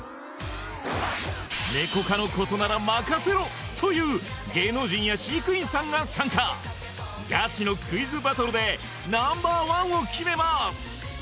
ネコ科のことなら任せろという芸能人や飼育員さんが参加ガチのクイズバトルでＮｏ．１を決めます